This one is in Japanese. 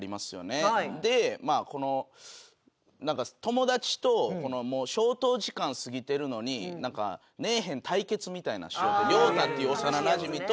でまあこのなんか友達と消灯時間過ぎてるのに寝えへん対決みたいなのしようってリョウタっていう幼なじみと。